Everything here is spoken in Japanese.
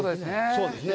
そうですね。